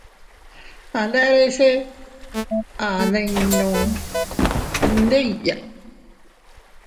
A nderes a ninnu ndiya.